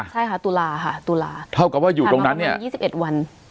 ใช่ค่ะตุลาค่ะตุลาเท่ากับว่าอยู่ตรงนั้นเนี่ย๒๑วัน